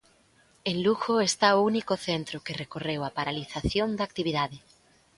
En Lugo está o único centro que recorreu a paralización da actividade.